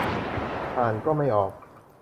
อ่านก็ไม่ออก